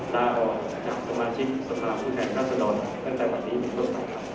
ตาออกจากสมาชิกสมาธุแห่งรัฐธรรมตั้งแต่วันนี้เป็นต้นไปครับ